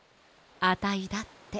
あたいだって。